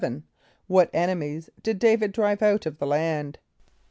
= What enemies did D[=a]´vid drive out of the land?